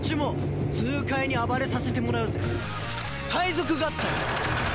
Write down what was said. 界賊合体！